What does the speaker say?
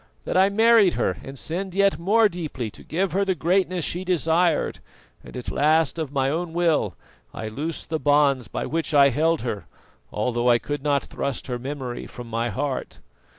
That I married her and sinned yet more deeply to give her the greatness she desired; and at last, of my own will, I loosed the bonds by which I held her, although I could not thrust her memory from my heart.